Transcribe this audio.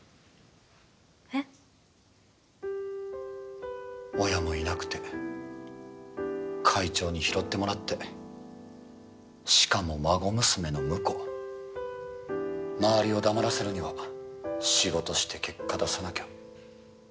えっ親もいなくて会長に拾ってもらってしかも孫娘の婿周りを黙らせるには仕事して結果出さなきゃ